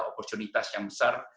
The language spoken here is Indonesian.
oportunitas yang besar